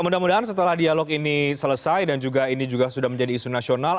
mudah mudahan setelah dialog ini selesai dan juga ini juga sudah menjadi isu nasional